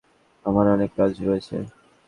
আমার অনেক কাজ রয়েছে।